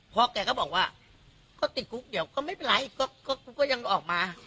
พ่อแกก็บอกว่าติดกรุ๊กเดี๋ยวก็ไม่เป็นไรแล้วกูก็ไปออกมา